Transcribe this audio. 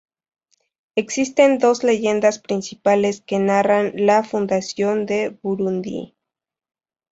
Existen dos leyendas principales que narran la fundación de Burundi.